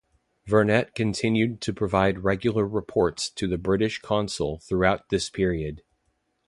Vernet continued to provide regular reports to the British consul throughout this period.